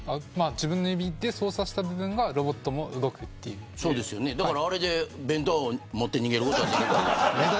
自分の指で操作した部分がロボットも動くということですだからあれで弁当を持って逃げることができるんですね。